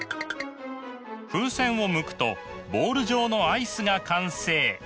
風船をむくとボール状のアイスが完成というわけです。